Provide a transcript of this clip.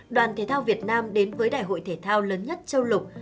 đoàn thể thao việt nam đến với đại hội thể thao lớn nhất châu lục